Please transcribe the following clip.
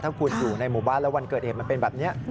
ถ้าคุณอยู่ในหมู่บ้านแล้ววันเกิดเหตุมันเป็นแบบนี้